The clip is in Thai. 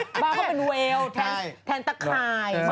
บ้านเขาเป็นเวลแทนแทนตะคาย